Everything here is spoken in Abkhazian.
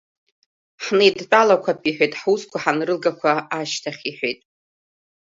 Ҳнеидтәалақәап иҳәеит, ҳусқәа ҳанрылгақәа ашьҭахь иҳәеит.